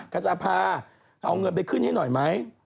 ก็จะพาเอาเงินไปขึ้นให้หน่อยไหม